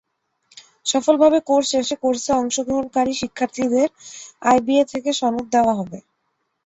সফলভাবে কোর্স শেষে কোর্সে অংশগ্রহণকারী শিক্ষার্থীদের আইবিএ থেকে সনদ দেওয়া হবে।